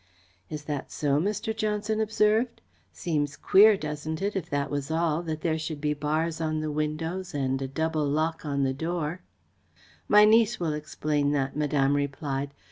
"Is that so?" Mr. Johnson observed. "Seems queer, doesn't it, if that was all, that there should be bars on the windows and a double lock on the door?" "My niece will explain that," Madame replied.